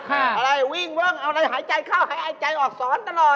อะไรวิ่งเวิ่งเอาอะไรหายใจเข้าหายใจออกสอนตลอด